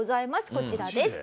こちらです。